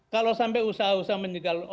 saya rizwan berinkan sendiri